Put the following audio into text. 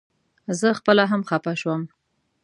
زه خپله هم خپه شوم.